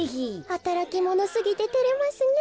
はたらきものすぎててれますねえ。